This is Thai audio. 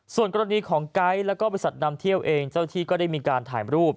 ส่วนกรณีของไก๊แล้วก็บริษัทนำเที่ยวเองเจ้าที่ก็ได้มีการถ่ายรูป